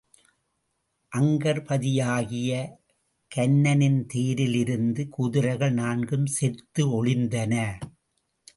அங்கர்பதியாகிய கன்னனின் தேரில் இருந்த குதிரைகள் நான்கும் செத்து ஒழிந்தன.